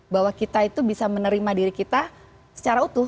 bahwa kita itu bisa menerima diri kita secara utuh